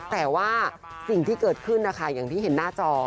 แต่ว่าสิ่งที่เกิดขึ้นนะคะอย่างที่เห็นหน้าจอ